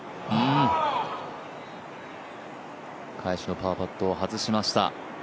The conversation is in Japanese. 返しのパーパットを外しました。